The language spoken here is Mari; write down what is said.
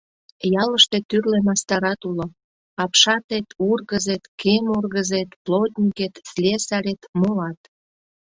Ялыште тӱрлӧ мастарат уло: апшатет, ургызет, кем ургызет, плотникет, слесарет, молат.